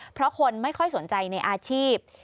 เพราะคนไม่ค่อยสนใจในอาชีพ